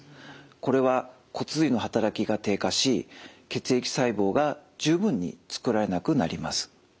これは骨髄の働きが低下し血液細胞が十分につくられなくなります。